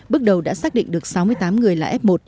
bước đầu đã xác định được sáu mươi tám người là f một